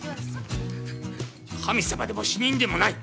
神様でも死人でもない。